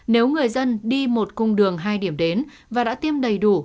nếu người dân đi một cung đường hai điểm đến và đã tiêm đầy đủ